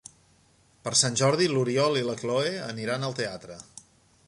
Per Sant Jordi n'Oriol i na Cloè aniran al teatre.